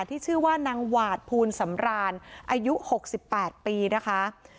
ที่ชื่อว่านางหวาดภูลสำรานอายุ๖๘ปีนะคะ